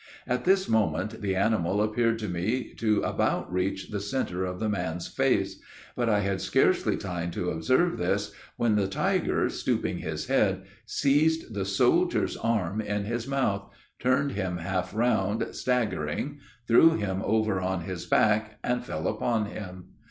At this moment, the animal appeared to me to about reach the center of the man's face; but I had scarcely time to observe this, when the tiger, stooping his head, seized the soldier's arm in his mouth, turned him half round staggering, threw him over on his back, and fell upon him.